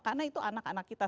karena itu anak anak kita